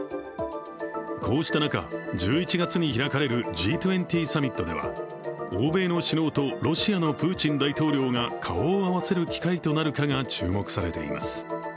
こうした中、１１月に開かれるＧ２０サミットでは、欧米の首脳とロシアのプーチン大統領が顔を合わせる機会となるかが注目されています。